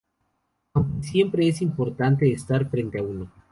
Aunque siempre es imponente estar frente a uno.